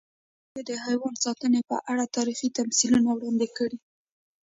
ازادي راډیو د حیوان ساتنه په اړه تاریخي تمثیلونه وړاندې کړي.